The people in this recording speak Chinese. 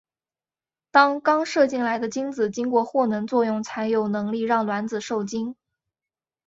当刚射进来的精子经过获能作用才有能力让卵子授精。